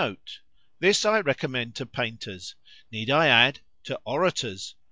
=> This I recommend to painters;—need I add,—to orators!